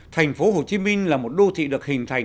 thành phố hồ chí minh là một đô thị được hình thành